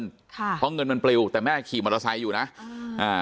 ค่ะเพราะเงินมันปลิวแต่แม่ขี่มอเตอร์ไซค์อยู่นะอ่า